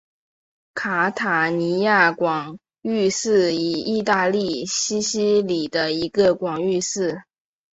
卡塔尼亚广域市是意大利西西里的一个广域市。